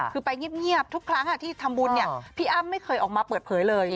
คือไปเงียบทุกครั้งที่ทำบุญเนี่ยพี่อ้ำไม่เคยออกมาเปิดเผยเลย